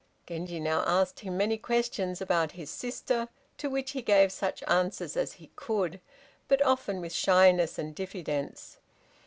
Genji now asked him many questions about his sister, to which he gave such answers as he could, but often with shyness and diffidence.